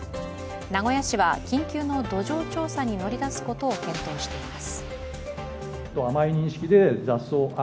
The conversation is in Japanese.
名古屋市は緊急の土壌調査に乗り出すことを検討しています。